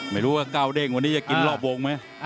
ไม่รู้ว่าก้าวเด้งวันนี้จะกินรอบวงไหม